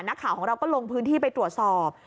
นักข่าวของเราก็ลงพื้นที่ไปตรวจสอบ